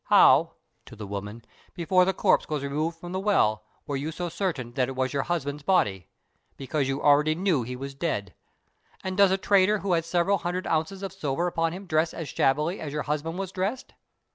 How [to the woman], before the corpse was removed from the well, were you so certain that it was your husband's body? Because you already knew he was dead. And does a trader who has several hundred ounces of silver about him dress as shabbily as your husband was dressed?